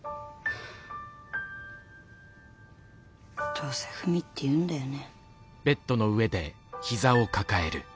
どうせ文って言うんだよね。